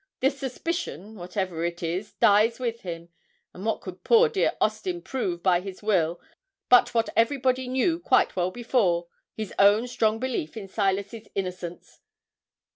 The suspicion, whatever it is dies with him, and what could poor dear Austin prove by his will but what everybody knew quite well before his own strong belief in Silas's innocence?